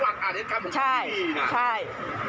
กล่วงกับผู้กำกับไหมเนี่ย